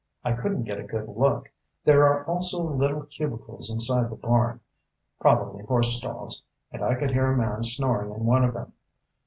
I couldn't get a good look. There are also little cubicles inside the barn, probably horse stalls, and I could hear a man snoring in one of them.